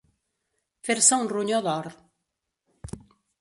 Fer-se un ronyó d'or.